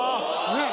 ねえ。